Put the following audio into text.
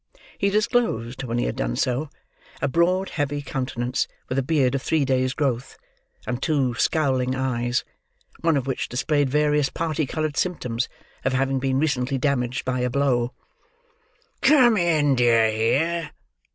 He disclosed, when he had done so, a broad heavy countenance with a beard of three days' growth, and two scowling eyes; one of which displayed various parti coloured symptoms of having been recently damaged by a blow. "Come in, d'ye hear?"